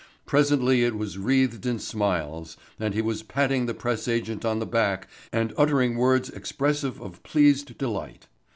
Presently it was wreathed in smiles, and he was patting the press agent on the back and uttering words expressive of pleased delight.